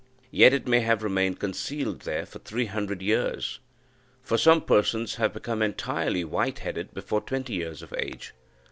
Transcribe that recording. Yet it may have remained concealed there for three hundred years for some persons have become entirely white headed before twenty years of age.